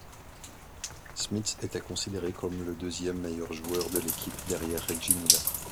Smits était considéré comme le deuxième meilleur joueur de l'équipe, derrière Reggie Miller.